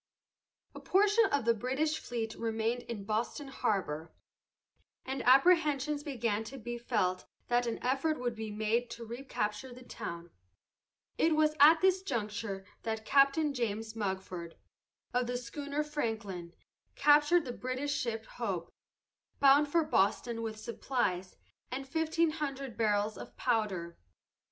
A portion of the British fleet remained in Boston harbor, and apprehensions began to be felt that an effort would be made to recapture the town. It was at this juncture that Captain James Mugford, of the schooner Franklin, captured the British ship Hope, bound for Boston with supplies and fifteen hundred barrels of powder.